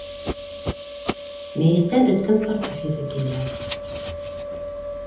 Мейестән өткән картуф еҫе килә.